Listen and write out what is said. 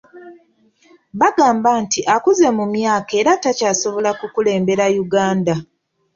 Bagamba nti akuze mu myaka era takyasobola kukulembera Uganda.